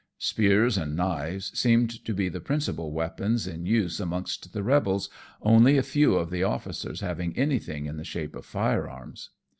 Spears and knives seemed to be the principal weapons in use amongst the rebels, only a few of the officers having anything in the shape of firearms.